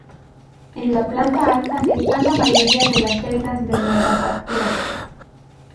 En la planta alta están la mayoría de las celdas de nueva factura.